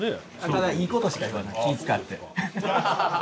ただいいことしか言わない気遣って。